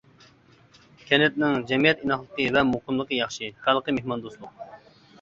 كەنتنىڭ جەمئىيەت ئىناقلىقى ۋە مۇقىملىقى ياخشى، خەلقى مېھماندوستلۇق.